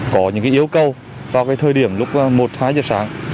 có những cái yêu cầu vào cái thời điểm lúc một hai giờ sáng